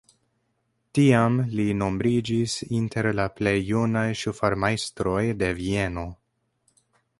Tiam li nombriĝis inter la plej junaj ŝufarmajstroj de Vieno.